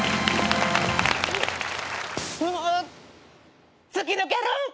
んん突き抜ける。